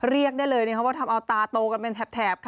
เรียกได้เลยว่าทำเอาตาโตกันเป็นแถบ